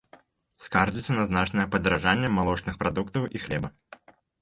Скардзіцца на значнае падаражанне малочных прадуктаў і хлеба.